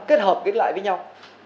kết hợp kết lại với nhau